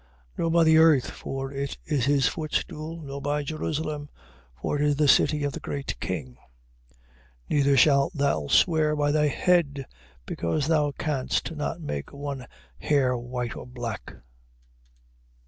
Nor by the earth, for it is his footstool: nor by Jerusalem, for it is the city of the great king: 5:36. Neither shalt thou swear by thy head, because thou canst not make one hair white or black.